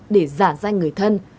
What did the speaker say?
để giả danh người thân